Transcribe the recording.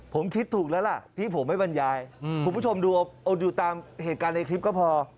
ผมคิดถูกแล้วล่ะที่ผมไม่บรรยายคุณผู้ชมดูอดอยู่ตามเหตุการณ์ในคลิปก็พอ